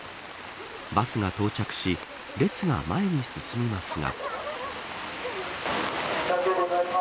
バスが到着し列が前に進みますが。